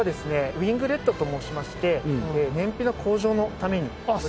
ウィングレットと申しまして燃費の向上のために。